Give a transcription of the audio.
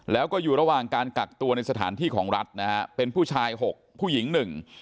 แล้วก็อยู่ระหว่างการกักตัวในสถานที่ของรัฐนะฮะเป็นผู้ชายหกผู้หญิงหนึ่ง